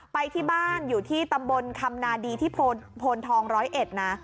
ไปที่บ้านอยู่ที่ตำบลคำนาดีที่โพนทองร้อยเอ็ดนะ